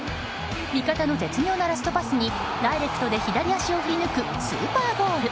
味方の絶妙なラストパスにダイレクトで左足を振りぬくスーパーゴール。